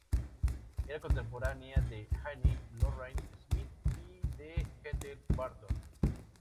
Era contemporánea de Annie Lorrain Smith y de Ethel Barton.